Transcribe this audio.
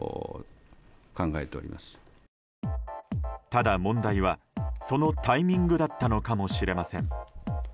ただ問題は、そのタイミングだったのかもしれません。